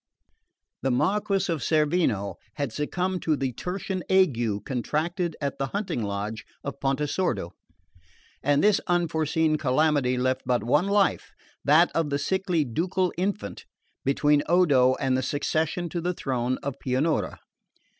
7. The Marquess of Cerveno had succumbed to the tertian ague contracted at the hunting lodge of Pontesordo; and this unforeseen calamity left but one life, that of the sickly ducal infant, between Odo and the succession to the throne of Pianura.